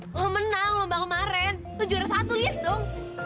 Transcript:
lo menang lombang kemaren lo juara satu liat dong